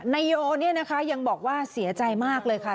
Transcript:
นายโยเนี่ยนะคะยังบอกว่าเสียใจมากเลยค่ะ